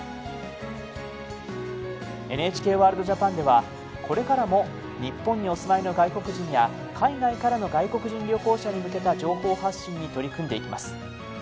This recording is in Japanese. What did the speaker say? ＮＨＫワールドＪＡＰＡＮではこれからも日本にお住まいの外国人や海外からの外国人旅行者に向けた情報発信に取り組んでいきます。